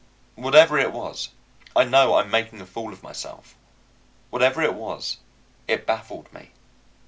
Whatever it was (I know I'm making a fool of myself) whatever it was, it baffled me.